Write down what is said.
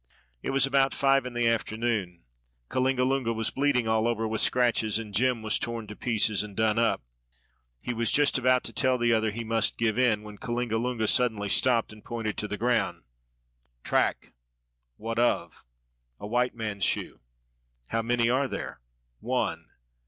It was about five in the afternoon. Kalingalunga was bleeding all over with scratches, and Jem was torn to pieces and done up. He was just about to tell the other that he must give in, when Kalingalunga suddenly stopped, and pointed to the ground: "Track!" "What of?" "A white man's shoe." "How many are there?" "One."